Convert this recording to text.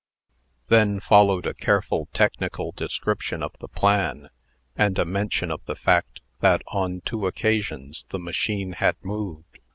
Then followed a careful technical description of the plan, and a mention of the fact that on two occasions the machine had moved.